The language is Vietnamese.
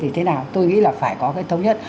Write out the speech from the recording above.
thì thế nào tôi nghĩ là phải có cái thống nhất